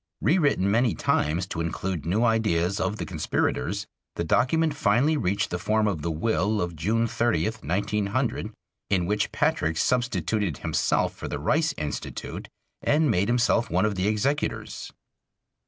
Rewritten many times to include new ideas of the conspirators, the document finally reached the form of the will of June 30, 1900, in which Patrick substituted himself for the Rice Institute and made himself one of the executors.